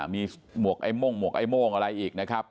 มีหมวกไอ้โม่งหมวกไอ้โม่งอะไรอีกนะครับ